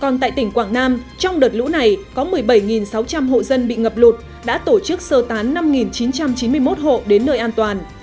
còn tại tỉnh quảng nam trong đợt lũ này có một mươi bảy sáu trăm linh hộ dân bị ngập lụt đã tổ chức sơ tán năm chín trăm chín mươi một hộ đến nơi an toàn